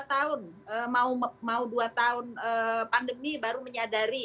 sayang sekali kita dua tahun mau dua tahun pandemi baru menyadari